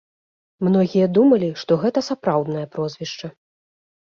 Многія думалі, што гэта сапраўднае прозвішча.